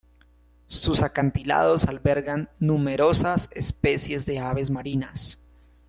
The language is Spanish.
Sus acantilados albergan numerosas especies de aves marinas.